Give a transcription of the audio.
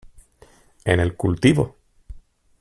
En el cultivo.